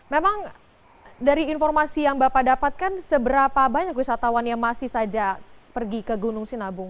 memang dari informasi yang bapak dapatkan seberapa banyak wisatawan yang masih saja pergi ke gunung sinabung